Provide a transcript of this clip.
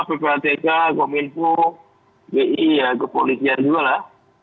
ppatk kominfo bi ya kepolisian juga lah